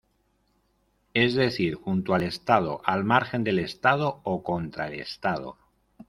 Es decir, "junto al Estado", "al margen del Estado" o "contra el Estado".